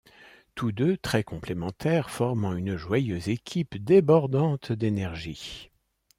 Tous deux très complémentaires, formant une joyeuse équipe débordante d'énergie.